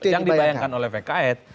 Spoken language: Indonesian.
yang dibayangkan oleh pks